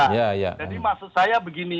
jadi maksud saya begini